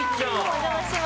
お邪魔します。